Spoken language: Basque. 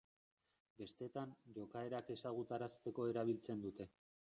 Bestetan, jokaerak ezagutarazteko erabiltzen dute.